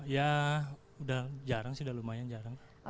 ya udah jarang sih udah lumayan jarang